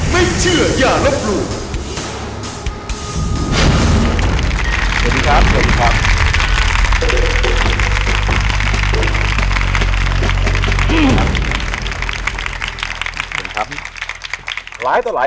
ไม่เชื่ออย่ารบหลู่